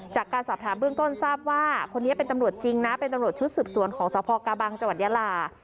จากการสอบถามเบื้องต้นทราบว่าคนนี้เป็นตำรวจจริงนะเป็นตำรวจชุดสืบสวนของสพกาบังจังหวัดยาลา